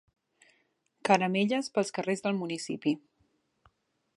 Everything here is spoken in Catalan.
Caramelles pels carrers del municipi.